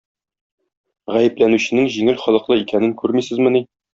Гаепләнүченең җиңел холыклы икәнен күрмисезмени?